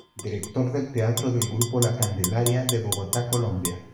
Director del teatro del grupo La Candelaria, de Bogotá, Colombia.